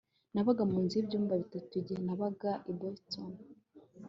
Nabaga mu nzu yibyumba bitatu igihe nabaga i Boston